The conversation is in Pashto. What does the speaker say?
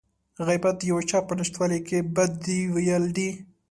غيبت د يو چا په نشتوالي کې بدي ويل دي.